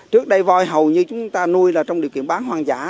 trước đây voi hầu như chúng ta nuôi là trong điều kiện bán hoang dã